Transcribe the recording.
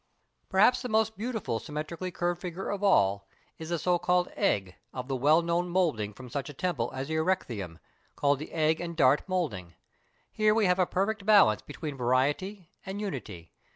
Perhaps the most beautiful symmetrically curved figure of all is the so called egg of the well known moulding from such a temple as the Erechtheum, called the egg and dart moulding. Here we have a perfect balance between variety and unity.